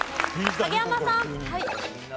影山さん。